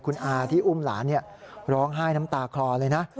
คุณอาที่อุ้มหลานร้องไห้น้ำตาคลอเลยนะ